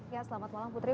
ya selamat malam putri